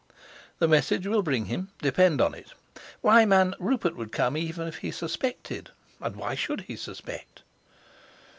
The message will bring him, depend on it. Why, man, Rupert would come even if he suspected; and why should he suspect?"